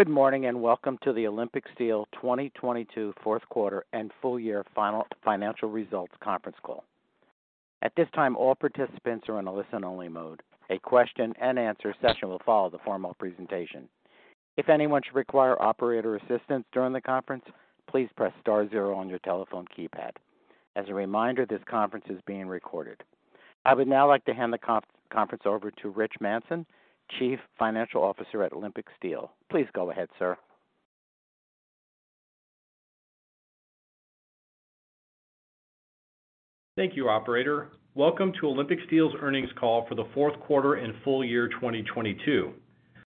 Good morning, and welcome to the Olympic Steel 2022 Q4 and full year financial results conference call. At this time, all participants are in a listen-only mode. A question and answer session will follow the formal presentation. If anyone should require operator assistance during the conference, please press star zero on your telephone keypad. As a reminder, this conference is being recorded. I would now like to hand the conference over to Rich Manson, Chief Financial Officer at Olympic Steel. Please go ahead, sir. Thank you, operator. Welcome to Olympic Steel's earnings call for the Q4 and full year 2022.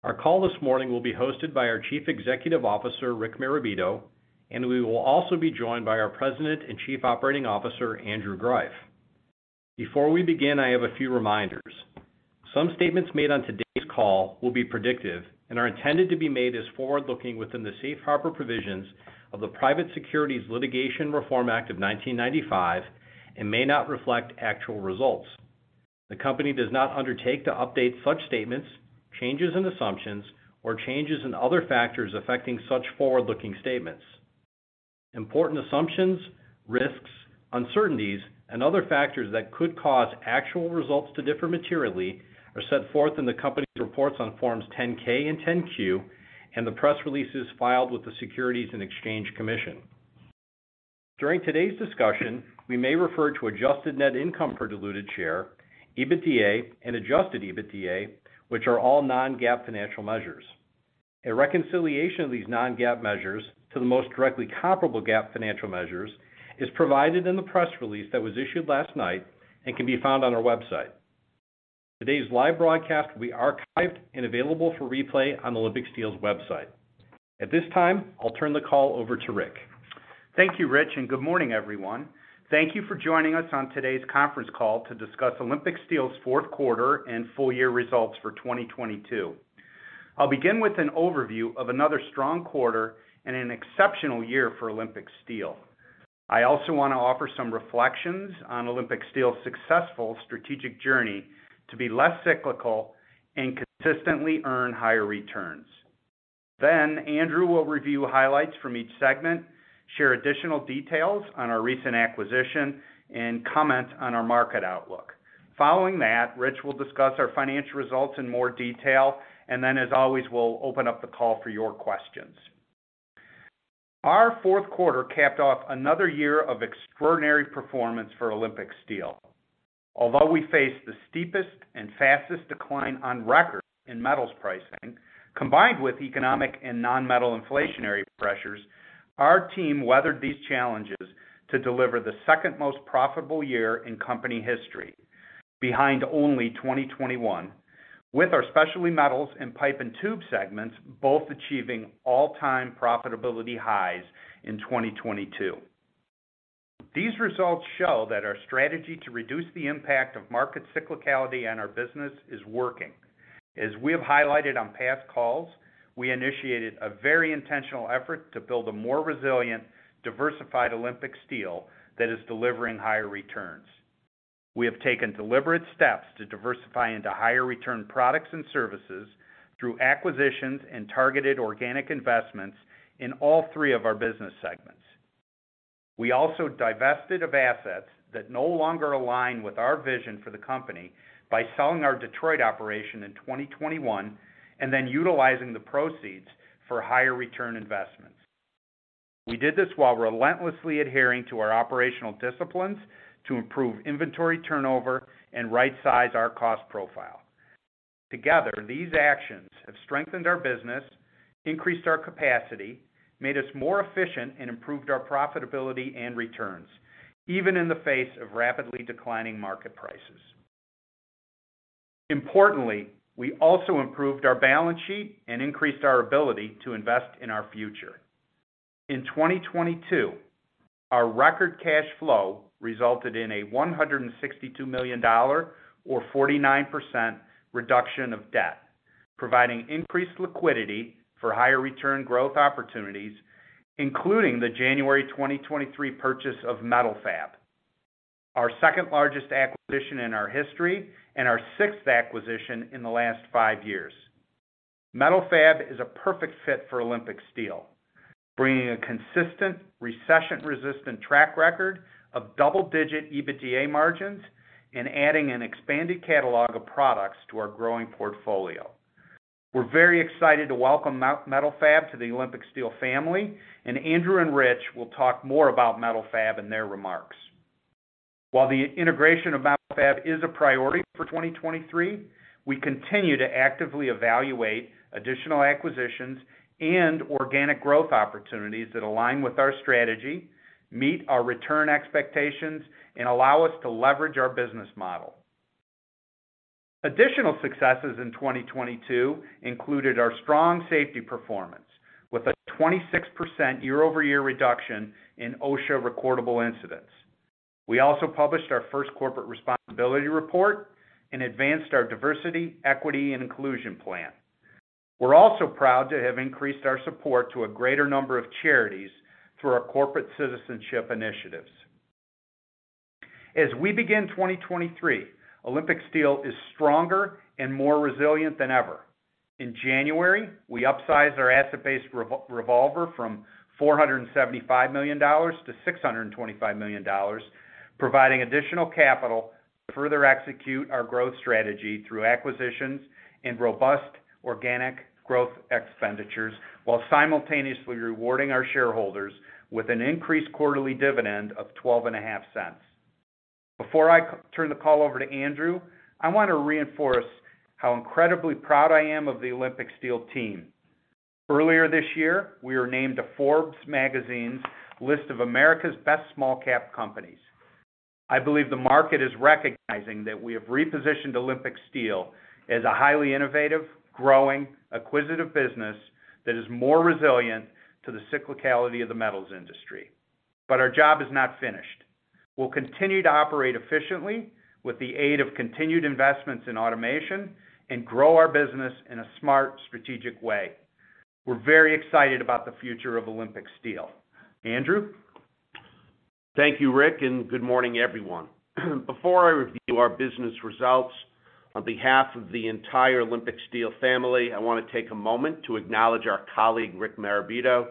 Our call this morning will be hosted by our Chief Executive Officer, Rick Marabito. We will also be joined by our President and Chief Operating Officer, Andrew Greiff. Before we begin, I have a few reminders. Some statements made on today's call will be predictive and are intended to be made as forward-looking within the Safe Harbor provisions of the Private Securities Litigation Reform Act of 1995 and may not reflect actual results. The company does not undertake to update such statements, changes in assumptions, or changes in other factors affecting such forward-looking statements. Important assumptions, risks, uncertainties, and other factors that could cause actual results to differ materially are set forth in the company's reports on Forms 10-K and 10-Q and the press releases filed with the Securities and Exchange Commission. During today's discussion, we may refer to adjusted net income per diluted share, EBITDA and adjusted EBITDA, which are all non-GAAP financial measures. A reconciliation of these non-GAAP measures to the most directly comparable GAAP financial measures is provided in the press release that was issued last night and can be found on our website. Today's live broadcast will be archived and available for replay on Olympic Steel's website. At this time, I'll turn the call over to Rick. Thank you, Rich. Good morning, everyone. Thank you for joining us on today's conference call to discuss Olympic Steel's Q4 and full-year results for 2022. I'll begin with an overview of another strong quarter and an exceptional year for Olympic Steel. I also want to offer some reflections on Olympic Steel's successful strategic journey to be less cyclical and consistently earn higher returns. Andrew will review highlights from each segment, share additional details on our recent acquisition, and comment on our market outlook. Following that, Rich will discuss our financial results in more detail. As always, we'll open up the call for your questions. Our Q4 capped off another year of extraordinary performance for Olympic Steel. Although we faced the steepest and fastest decline on record in metals pricing, combined with economic and non-metal inflationary pressures, our team weathered these challenges to deliver the second most profitable year in company history, behind only 2021, with our specialty metals and pipe and tube segments both achieving all-time profitability highs in 2022. These results show that our strategy to reduce the impact of market cyclicality on our business is working. As we have highlighted on past calls, we initiated a very intentional effort to build a more resilient, diversified Olympic Steel that is delivering higher returns. We have taken deliberate steps to diversify into higher return products and services through acquisitions and targeted organic investments in all 3 of our business segments. We also divested of assets that no longer align with our vision for the company by selling our Detroit operation in 2021 and then utilizing the proceeds for higher return investments. We did this while relentlessly adhering to our operational disciplines to improve inventory turnover and right-size our cost profile. Together, these actions have strengthened our business, increased our capacity, made us more efficient, and improved our profitability and returns, even in the face of rapidly declining market prices. Importantly, we also improved our balance sheet and increased our ability to invest in our future. In 2022, our record cash flow resulted in a $162 million or 49% reduction of debt, providing increased liquidity for higher return growth opportunities, including the January 2023 purchase of Metal-Fab, our second-largest acquisition in our history and our sixth acquisition in the last five years. Metal-Fab is a perfect fit for Olympic Steel, bringing a consistent, recession-resistant track record of double-digit EBITDA margins and adding an expanded catalog of products to our growing portfolio. We're very excited to welcome Metal-Fab to the Olympic Steel family, and Andrew and Rich will talk more about Metal-Fab in their remarks. While the integration of Metal-Fab is a priority for 2023, we continue to actively evaluate additional acquisitions and organic growth opportunities that align with our strategy, meet our return expectations, and allow us to leverage our business model. Additional successes in 2022 included our strong safety performance, with a 26% year-over-year reduction in OSHA recordable incidents. We also published our first corporate responsibility report and advanced our diversity, equity, and inclusion plan. We're also proud to have increased our support to a greater number of charities through our corporate citizenship initiatives. As we begin 2023, Olympic Steel is stronger and more resilient than ever. In January, we upsized our asset-based revolver from $475 million to $625 million, providing additional capital to further execute our growth strategy through acquisitions and robust organic growth expenditures, while simultaneously rewarding our shareholders with an increased quarterly dividend of twelve and a half cents. Before I turn the call over to Andrew, I want to reinforce how incredibly proud I am of the Olympic Steel team. Earlier this year, we were named to Forbes magazine's List of America's Best Small-Cap Companies. I believe the market is recognizing that we have repositioned Olympic Steel as a highly innovative, growing, acquisitive business that is more resilient to the cyclicality of the metals industry. Our job is not finished. We'll continue to operate efficiently with the aid of continued investments in automation and grow our business in a smart, strategic way. We're very excited about the future of Olympic Steel. Andrew. Thank you, Rick, and good morning, everyone. Before I review our business results, on behalf of the entire Olympic Steel family, I want to take a moment to acknowledge our colleague, Rick Marabito,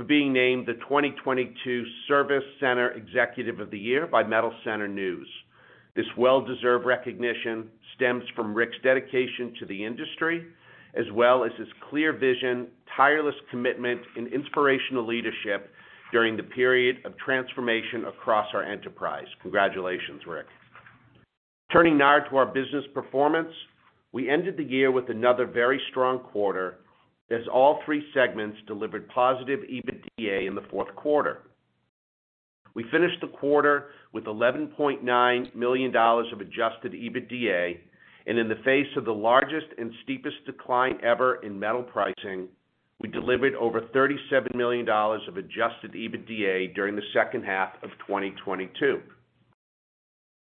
for being named the 2022 Service Center Executive of the Year by Metal Center News. This well-deserved recognition stems from Rick's dedication to the industry, as well as his clear vision, tireless commitment, and inspirational leadership during the period of transformation across our enterprise. Congratulations, Rick. Turning now to our business performance. We ended the year with another very strong quarter, as all three segments delivered positive EBITDA in the Q4. We finished the quarter with $11.9 million of adjusted EBITDA, and in the face of the largest and steepest decline ever in metal pricing, we delivered over $37 million of adjusted EBITDA during the second half of 2022.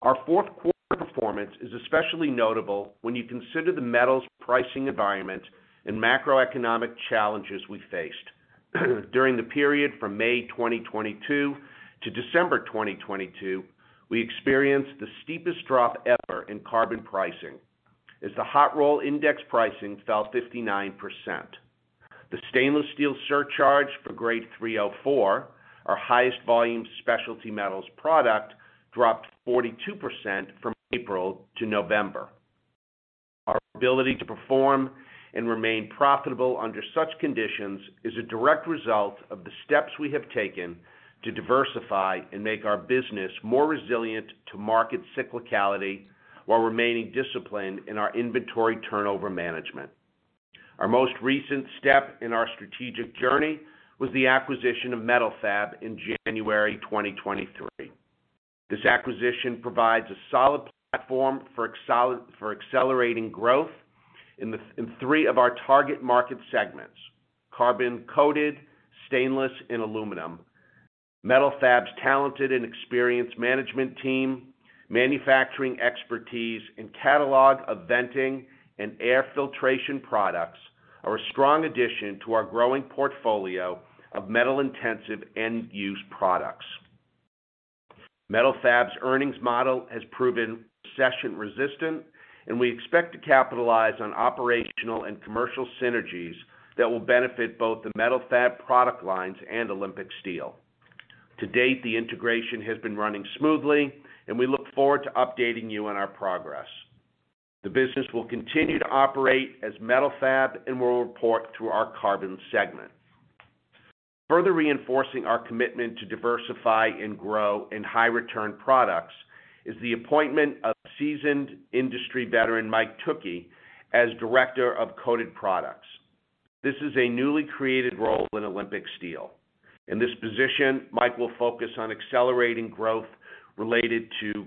Our Q4 performance is especially notable when you consider the metals pricing environment and macroeconomic challenges we faced. During the period from May 2022 to December 2022, we experienced the steepest drop ever in carbon pricing as the Hot Rolled Index pricing fell 59%. The stainless steel surcharge for Grade 304, our highest volume specialty metals product, dropped 42% from April to November. Our ability to perform and remain profitable under such conditions is a direct result of the steps we have taken to diversify and make our business more resilient to market cyclicality while remaining disciplined in our inventory turnover management. Our most recent step in our strategic journey was the acquisition of Metal-Fab in January 2023. This acquisition provides a solid platform for accelerating growth in three of our target market segments: carbon-coated, stainless, and aluminum. Metal-Fab's talented and experienced management team, manufacturing expertise, and catalog of venting and air filtration products are a strong addition to our growing portfolio of metal-intensive end-use products. Metal-Fab's earnings model has proven recession-resistant, and we expect to capitalize on operational and commercial synergies that will benefit both the Metal-Fab product lines and Olympic Steel. To date, the integration has been running smoothly, and we look forward to updating you on our progress. The business will continue to operate as Metal-Fab and will report through our carbon segment. Further reinforcing our commitment to diversify and grow in high-return products is the appointment of seasoned industry veteran, Mike Tookey, as Director of Coated Products. This is a newly created role in Olympic Steel. In this position, Mike will focus on accelerating growth related to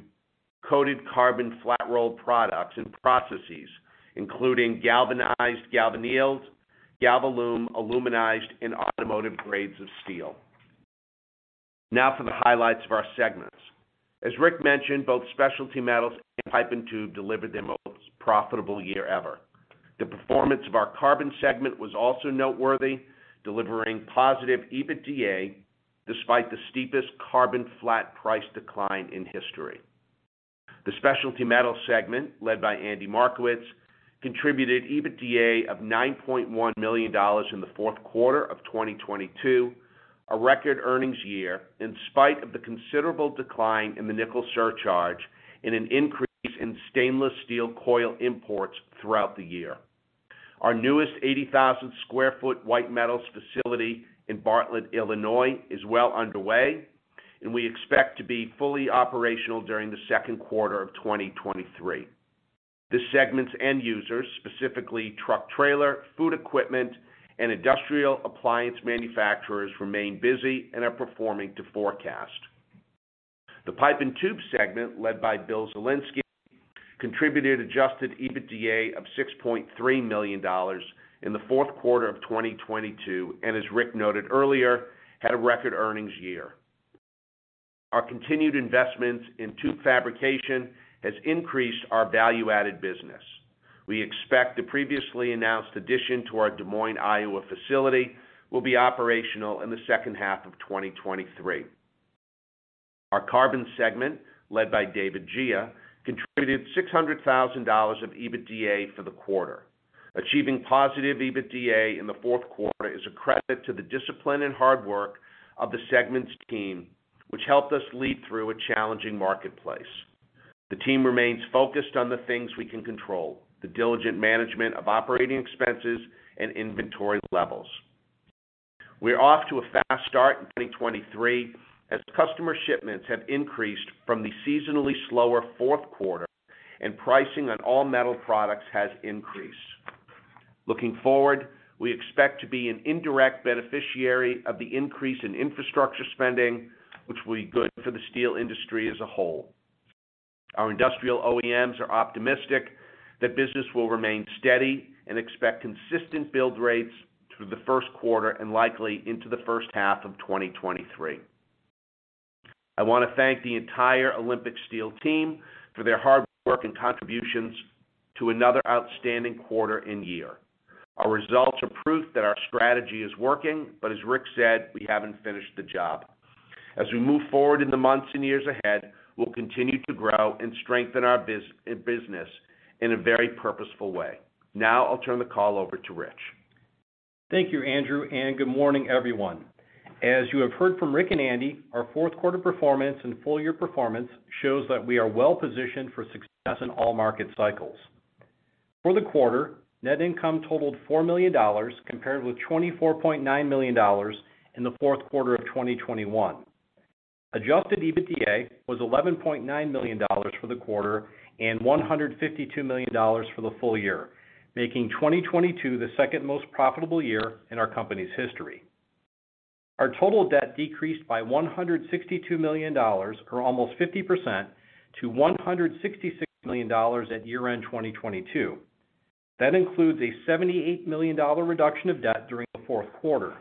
coated carbon flat rolled products and processes, including galvanized, galvannealed, Galvalume, aluminized, and automotive grades of steel. Now for the highlights of our segments. As Rick mentioned, both specialty metals and pipe and tube delivered their most profitable year ever. The performance of our carbon segment was also noteworthy, delivering positive EBITDA despite the steepest carbon flat price decline in history. The specialty metals segment, led by Andy Markowitz, contributed EBITDA of $9.1 million in the Q4 of 2022, a record earnings year in spite of the considerable decline in the nickel surcharge and an increase in stainless steel coil imports throughout the year. Our newest 80,000 sq ft white metals facility in Bartlett, Illinois, is well underway, and we expect to be fully operational during the Q2 of 2023. This segment's end users, specifically truck trailer, food equipment, and industrial appliance manufacturers, remain busy and are performing to forecast. The pipe and tube segment, led by Bill Zielinski, contributed adjusted EBITDA of $6.3 million in the Q4 of 2022, and as Rick noted earlier, had a record earnings year. Our continued investments in tube fabrication has increased our value-added business. We expect the previously announced addition to our Des Moines, Iowa facility will be operational in the second half of 2023. Our carbon segment, led by David Gea, contributed $600,000 of EBITDA for the quarter. Achieving positive EBITDA in the Q4 is a credit to the discipline and hard work of the segments team, which helped us lead through a challenging marketplace. The team remains focused on the things we can control, the diligent management of operating expenses and inventory levels. We're off to a fast start in 2023 as customer shipments have increased from the seasonally slower Q4 and pricing on all metal products has increased. Looking forward, we expect to be an indirect beneficiary of the increase in infrastructure spending, which will be good for the steel industry as a whole. Our industrial OEMs are optimistic that business will remain steady and expect consistent build rates through the Q1 and likely into the first half of 2023. I want to thank the entire Olympic Steel team for their hard work and contributions to another outstanding quarter and year. Our results are proof that our strategy is working, but as Rick said, we haven't finished the job. As we move forward in the months and years ahead, we'll continue to grow and strengthen our business in a very purposeful way. Now I'll turn the call over to Rich. Thank you, Andrew. Good morning, everyone. As you have heard from Rick and Andy, our Q4 performance and full year performance shows that we are well-positioned for success in all market cycles. For the quarter, net income totaled $4 million, compared with $24.9 million in the Q4 of 2021. Adjusted EBITDA was $11.9 million for the quarter and $152 million for the full year, making 2022 the second most profitable year in our company's history. Our total debt decreased by $162 million, or almost 50%, to $166 million at year-end 2022. That includes a $78 million reduction of debt during the Q4.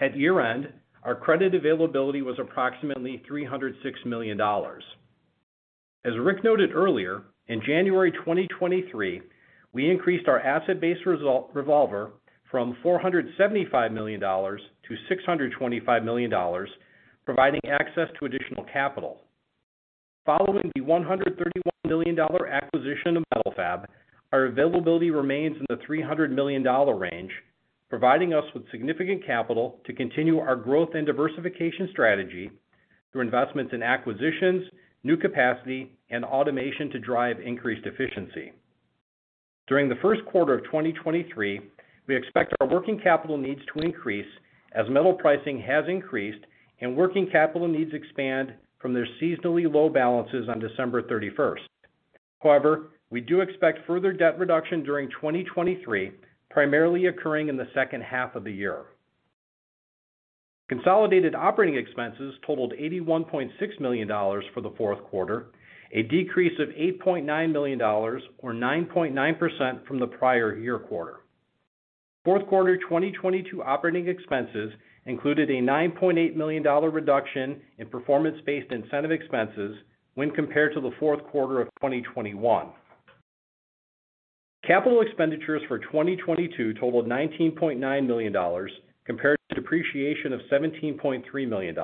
At year-end, our credit availability was approximately $306 million. As Rick noted earlier, in January 2023, we increased our asset-based revolver from $475 million to $625 million, providing access to additional capital. Following the $131 million acquisition of Metal-Fab, our availability remains in the $300 million range, providing us with significant capital to continue our growth and diversification strategy through investments in acquisitions, new capacity, and automation to drive increased efficiency. During the Q1 of 2023, we expect our working capital needs to increase as metal pricing has increased and working capital needs expand from their seasonally low balances on December 31st. However, we do expect further debt reduction during 2023, primarily occurring in the second half of the year. Consolidated operating expenses totaled $81.6 million for the Q4, a decrease of $8.9 million or 9.9% from the prior year quarter. Q4 operating expenses included a $9.8 million reduction in performance-based incentive expenses when compared to the Q4 of 2021. Capital expenditures for 2022 totaled $19.9 million compared to depreciation of $17.3 million.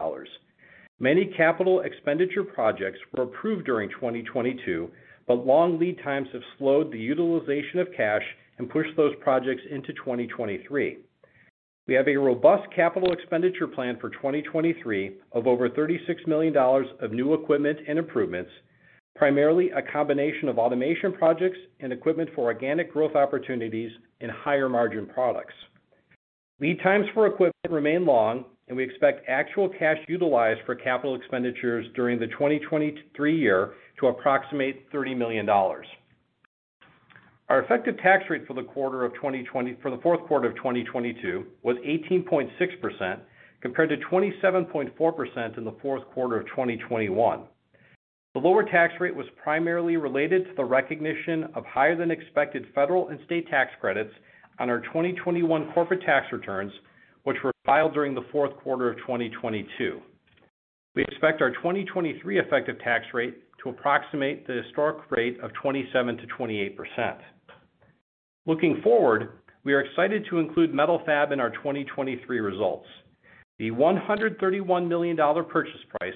Many capital expenditure projects were approved during 2022, but long lead times have slowed the utilization of cash and pushed those projects into 2023. We have a robust capital expenditure plan for 2023 of over $36 million of new equipment and improvements, primarily a combination of automation projects and equipment for organic growth opportunities and higher-margin products. Lead times for equipment remain long. We expect actual cash utilized for capital expenditures during the 2023 year to approximate $30 million. Our effective tax rate for the Q4 of 2022 was 18.6%, compared to 27.4% in the Q4 of 2021. The lower tax rate was primarily related to the recognition of higher than expected federal and state tax credits on our 2021 corporate tax returns, which were filed during the Q4 of 2022. We expect our 2023 effective tax rate to approximate the historic rate of 27%-28%. Looking forward, we are excited to include Metal-Fab in our 2023 results. The $131 million purchase price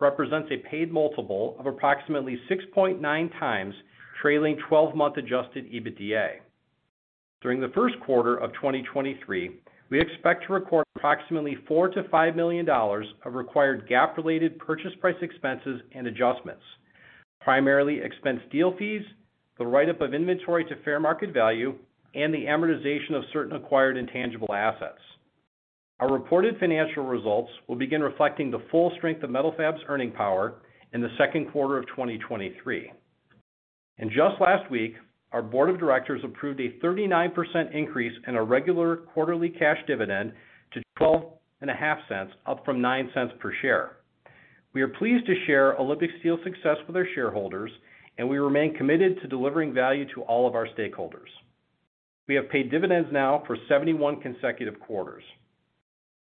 represents a paid multiple of approximately 6.9x trailing twelve-month adjusted EBITDA. During the Q1 of 2023, we expect to record approximately $4 million-$5 million of required GAAP-related purchase price expenses and adjustments, primarily expense deal fees, the write-up of inventory to fair market value, and the amortization of certain acquired intangible assets. Our reported financial results will begin reflecting the full strength of Metal-Fab's earning power in the Q2 of 2023. Just last week, our board of directors approved a 39% increase in our regular quarterly cash dividend to $0.125 up from $0.09 per share. We are pleased to share Olympic Steel's success with our shareholders, and we remain committed to delivering value to all of our stakeholders. We have paid dividends now for 71 consecutive quarters.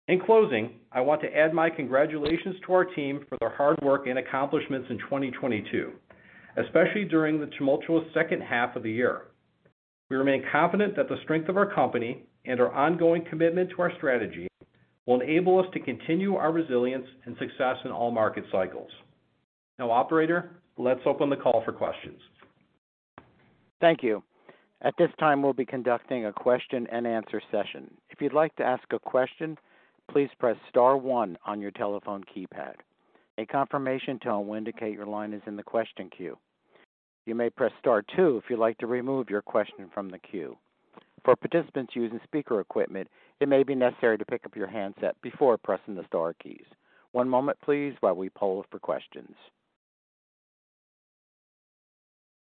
In closing, I want to add my congratulations to our team for their hard work and accomplishments in 2022, especially during the tumultuous second half of the year. We remain confident that the strength of our company and our ongoing commitment to our strategy will enable us to continue our resilience and success in all market cycles. Now, operator, let's open the call for questions. Thank you. At this time, we'll be conducting a question-and-answer session. If you'd like to ask a question, please press star 1 on your telephone keypad. A confirmation tone will indicate your line is in the question queue. You may press Star 2 if you'd like to remove your question from the queue. For participants using speaker equipment, it may be necessary to pick up your handset before pressing the star keys. One moment please while we poll for questions.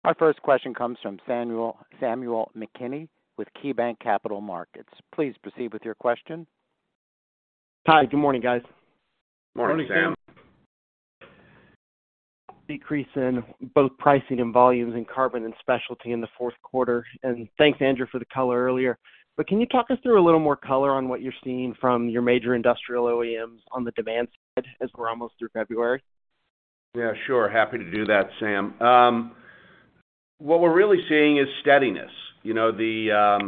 Our first question comes from Samuel McKinney with KeyBanc Capital Markets. Please proceed with your question. Hi. Good morning, guys. Morning, Sam. Good morning. Decrease in both pricing and volumes in carbon and specialty in the Q4. Thanks, Andrew, for the color earlier. Can you talk us through a little more color on what you're seeing from your major industrial OEMs on the demand side as we're almost through February? Yeah, sure. Happy to do that, Sam. What we're really seeing is steadiness. You know, the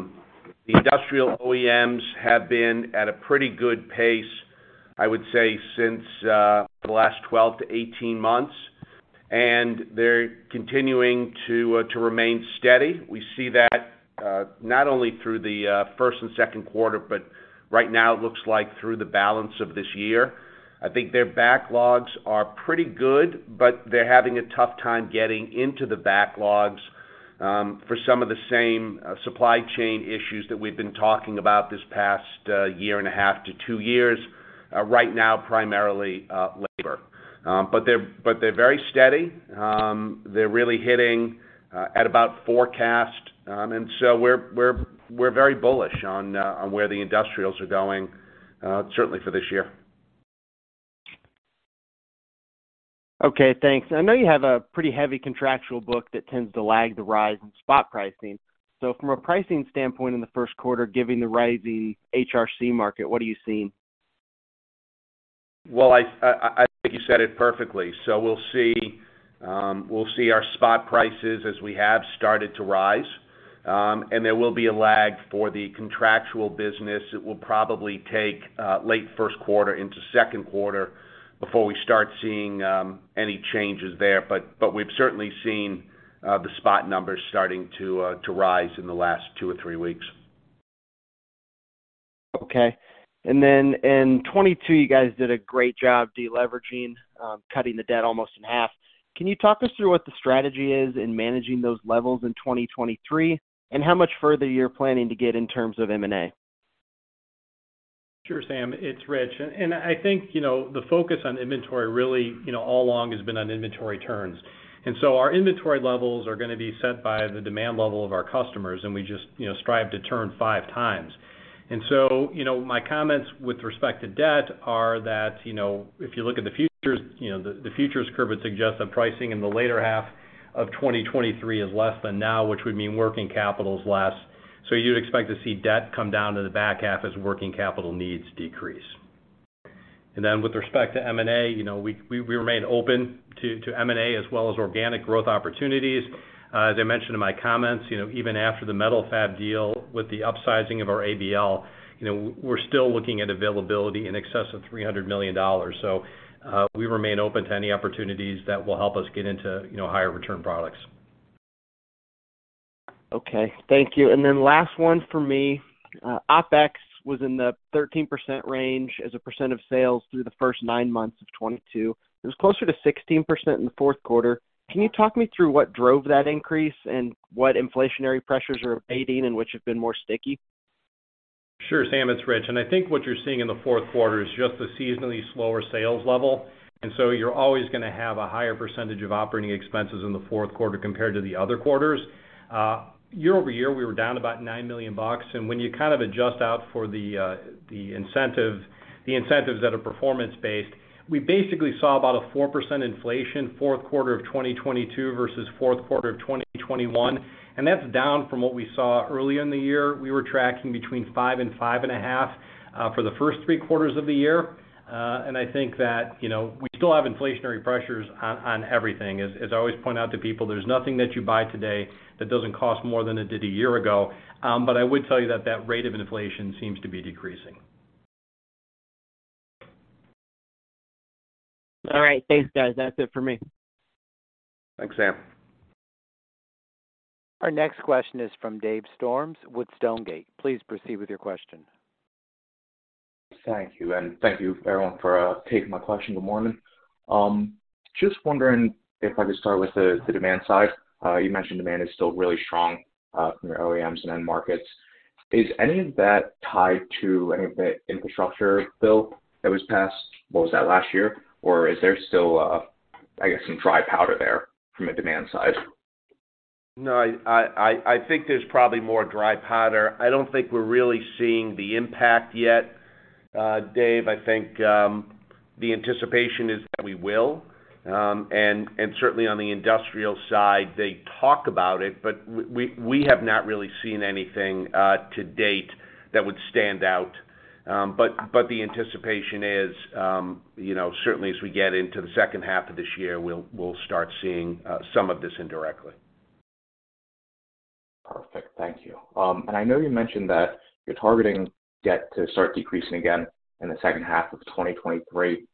industrial OEMs have been at a pretty good pace, I would say, since the last 12 to 18 months, and they're continuing to remain steady. We see that not only through the first and Q2, but right now it looks like through the balance of this year. I think their backlogs are pretty good, but they're having a tough time getting into the backlogs, for some of the same supply chain issues that we've been talking about this past year and a half to two years. Right now, primarily, labor. But they're very steady. They're really hitting at about forecast. We're very bullish on where the industrials are going, certainly for this year. Okay, thanks. I know you have a pretty heavy contractual book that tends to lag the rise in spot pricing. From a pricing standpoint in the Q1, given the rising HRC market, what are you seeing? Well, I think you said it perfectly. We'll see, we'll see our spot prices as we have started to rise. There will be a lag for the contractual business. It will probably take late Q1 into Q2 before we start seeing any changes there. We've certainly seen the spot numbers starting to rise in the last two or three weeks. Okay. In 2022, you guys did a great job deleveraging, cutting the debt almost in half. Can you talk us through what the strategy is in managing those levels in 2023, and how much further you're planning to get in terms of M&A? Sure, Sam. It's Rich. I think, you know, the focus on inventory really, you know, all along has been on inventory turns. Our inventory levels are gonna be set by the demand level of our customers, and we just, you know, strive to turn 5 times. My comments with respect to debt are that, you know, if you look at the futures, you know, the futures curve would suggest that pricing in the later half of 2023 is less than now, which would mean working capital is less. You'd expect to see debt come down to the back half as working capital needs decrease. With respect to M&A, you know, we remain open to M&A as well as organic growth opportunities. As I mentioned in my comments, you know, even after the Metal-Fab deal with the upsizing of our ABL, you know, we're still looking at availability in excess of $300 million. We remain open to any opportunities that will help us get into, you know, higher return products. Okay. Thank you. Last one for me. OpEx was in the 13% range as a percent of sales through the first nine months of 2022. It was closer to 16% in the Q4. Can you talk me through what drove that increase and what inflationary pressures are abating and which have been more sticky? Sure, Sam. It's Rich. I think what you're seeing in the Q4 is just the seasonally slower sales level, and so you're always gonna have a higher % of operating expenses in the Q4 compared to the other quarters. Year-over-year, we were down about $9 million. When you kind of adjust out for the incentives that are performance-based, we basically saw about a 4% inflation Q4 of 2022 versus Q4 of 2021, and that's down from what we saw earlier in the year. We were tracking between 5% and 5.5% for the first three quarters of the year. I think that, you know, we still have inflationary pressures on everything. As I always point out to people, there's nothing that you buy today that doesn't cost more than it did a year ago. I would tell you that rate of inflation seems to be decreasing. All right. Thanks, guys. That's it for me. Thanks, Sam. Our next question is from Dave Storms with Stonegate. Please proceed with your question. Thank you. Thank you everyone for taking my question. Good morning. Just wondering if I could start with the demand side. You mentioned demand is still really strong from your OEMs and end markets. Is any of that tied to any of the infrastructure bill that was passed, what was that? Last year? Or is there still, I guess, some dry powder there from a demand side? No, I think there's probably more dry powder. I don't think we're really seeing the impact yet, Dave. I think The anticipation is that we will. Certainly on the industrial side, they talk about it, but we have not really seen anything to date that would stand out. The anticipation is, you know, certainly as we get into the second half of this year, we'll start seeing some of this indirectly. Perfect. Thank you. I know you mentioned that you're targeting debt to start decreasing again in the second half of 2023.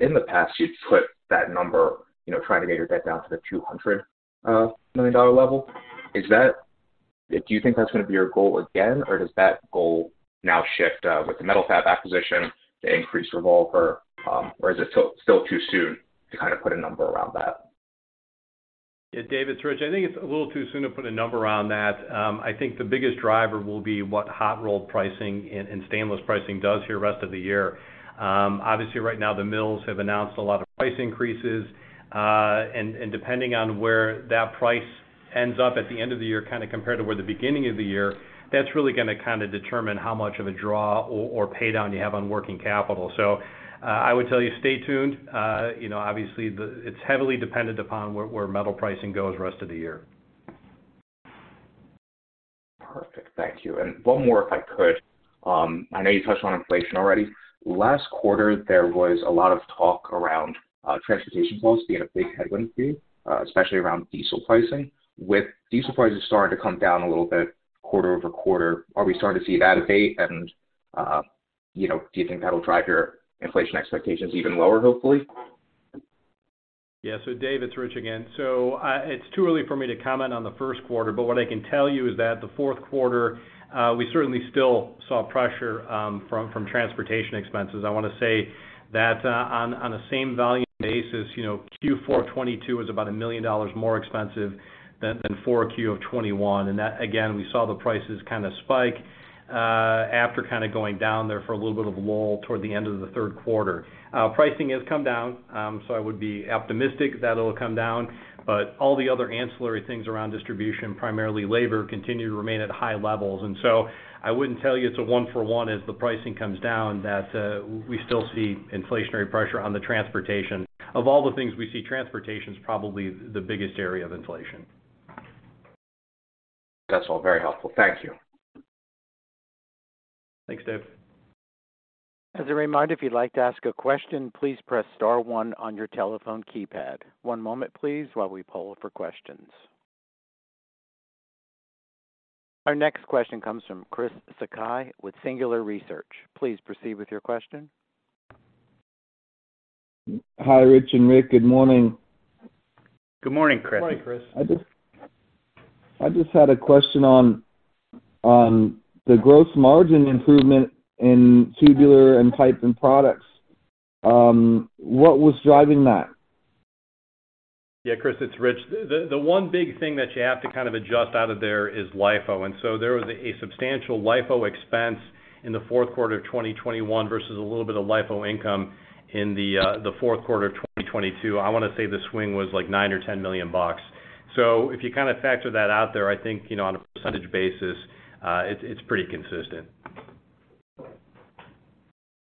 In the past, you'd put that number, you know, trying to get your debt down to the $200 million level. Do you think that's gonna be your goal again, or does that goal now shift with the Metal-Fab acquisition to increase revolver, or is it still too soon to kind of put a number around that? Yeah. Dave, it's Rich. I think it's a little too soon to put a number on that. I think the biggest driver will be what Hot Rolled pricing and stainless pricing does here rest of the year. Obviously right now, the mills have announced a lot of price increases. Depending on where that price ends up at the end of the year kinda compared to where the beginning of the year, that's really gonna kinda determine how much of a draw or pay down you have on working capital. I would tell you stay tuned. You know, obviously it's heavily dependent upon where metal pricing goes rest of the year. Perfect. Thank you. One more, if I could. I know you touched on inflation already. Last quarter, there was a lot of talk around transportation costs being a big headwind to you, especially around diesel pricing. With diesel prices starting to come down a little bit quarter-over-quarter, are we starting to see that abate and, you know, do you think that'll drive your inflation expectations even lower, hopefully? Yeah. Dave Storms, it's Rich Manson again. It's too early for me to comment on the Q1, but what I can tell you is that the Q4, we certainly still saw pressure from transportation expenses. I wanna say that on the same volume basis, you know, Q4 2022 is about $1 million more expensive than Q4 2021. That again, we saw the prices kind of spike after kind of going down there for a little bit of a lull toward the end of the Q3. Pricing has come down. I would be optimistic that it'll come down. All the other ancillary things around distribution, primarily labor, continue to remain at high levels. I wouldn't tell you it's a 1 for 1 as the pricing comes down that we still see inflationary pressure on the transportation. Of all the things we see, transportation is probably the biggest area of inflation. That's all. Very helpful. Thank you. Thanks, Dave. As a reminder, if you'd like to ask a question, please press star one on your telephone keypad. One moment, please, while we poll for questions. Our next question comes from Chris Sakai with Singular Research. Please proceed with your question. Hi, Rich and Rick. Good morning. Good morning, Chris. Morning, Chris. I just had a question on the gross margin improvement in Tubular and Pipe and Products. What was driving that? Yeah, Chris, it's Rich. The one big thing that you have to kind of adjust out of there is LIFO. There was a substantial LIFO expense in the Q4 of 2021 versus a little bit of LIFO income in the Q4 of 2022. I wanna say the swing was like $9 million-$10 million. If you kinda factor that out there, I think, you know, on a percentage basis, it's pretty consistent.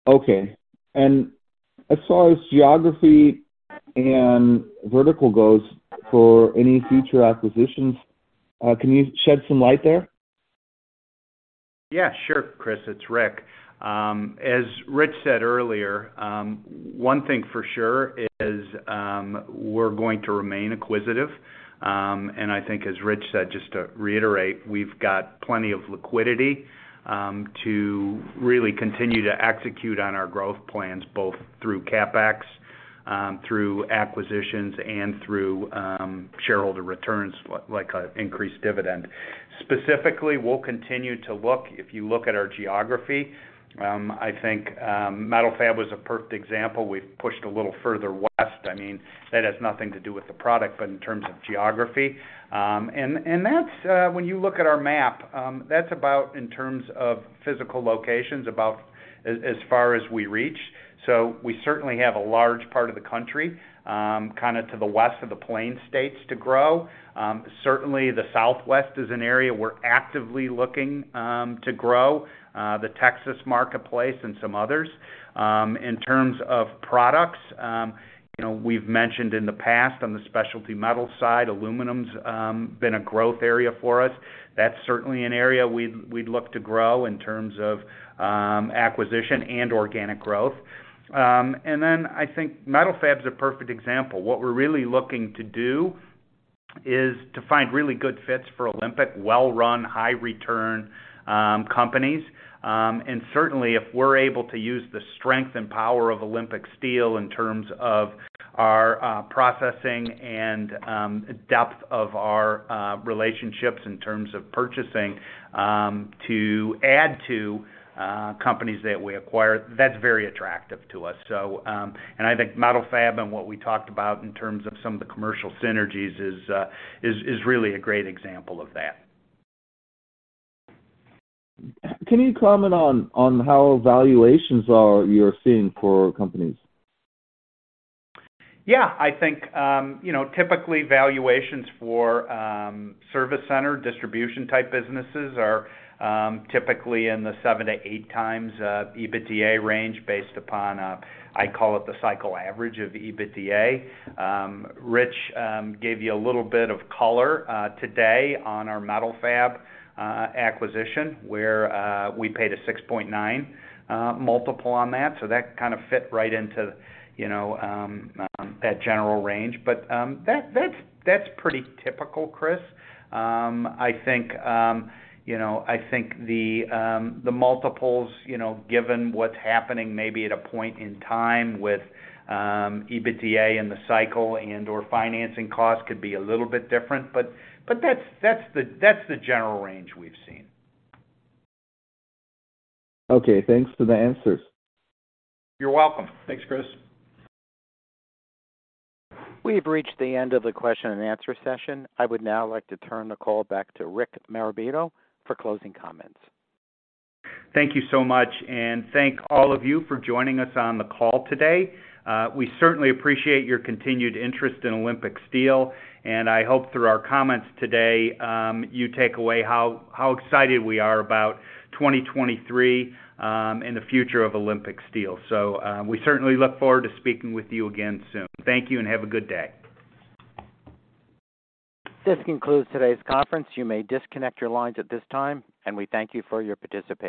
Okay. As far as geography and vertical goes for any future acquisitions, can you shed some light there? Yeah, sure, Chris. It's Rick. As Rich said earlier, one thing for sure is we're going to remain acquisitive. I think as Rich said, just to reiterate, we've got plenty of liquidity to really continue to execute on our growth plans, both through CapEx, through acquisitions, and through shareholder returns, like an increased dividend. Specifically, we'll continue to look. If you look at our geography, I think Metal-Fab was a perfect example. We've pushed a little further west. I mean, that has nothing to do with the product, but in terms of geography. That's, when you look at our map, that's about in terms of physical locations, about as far as we reach. We certainly have a large part of the country, kinda to the west of the plain states to grow. Certainly the Southwest is an area we're actively looking to grow the Texas marketplace and some others. In terms of products, you know, we've mentioned in the past on the specialty metal side, aluminum's been a growth area for us. That's certainly an area we'd look to grow in terms of acquisition and organic growth. Then I think Metal-Fab is a perfect example. What we're really looking to do is to find really good fits for Olympic Steel, well-run, high return, companies. Certainly, if we're able to use the strength and power of Olympic Steel in terms of our processing and depth of our relationships in terms of purchasing, to add to companies that we acquire, that's very attractive to us. I think Metal-Fab and what we talked about in terms of some of the commercial synergies is really a great example of that. Can you comment on how valuations are you're seeing for companies? Yeah. I think, you know, typically valuations for service center distribution type businesses are typically in the 7 to 8 times EBITDA range based upon, I call it the cycle average of EBITDA. Rich gave you a little bit of color today on our Metal-Fab acquisition, where we paid a 6.9 multiple on that. That kind of fit right into, you know, that general range. That's pretty typical, Chris. I think, you know, I think the multiples, you know, given what's happening maybe at a point in time with EBITDA in the cycle and/or financing costs could be a little bit different, but that's the general range we've seen. Okay. Thanks for the answers. You're welcome. Thanks, Chris. We've reached the end of the question and answer session. I would now like to turn the call back to Rick Marabito for closing comments. Thank you so much. Thank all of you for joining us on the call today. We certainly appreciate your continued interest in Olympic Steel, and I hope through our comments today, you take away how excited we are about 2023, and the future of Olympic Steel. We certainly look forward to speaking with you again soon. Thank you and have a good day. This concludes today's conference. You may disconnect your lines at this time, and we thank you for your participation.